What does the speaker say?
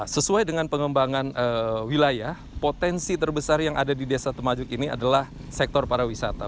sesuai dengan pengembangan wilayah potensi terbesar yang ada di desa temajuk ini adalah sektor pariwisata